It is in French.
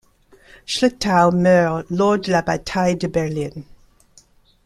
Schlettow meurt lors de la bataille de Berlin.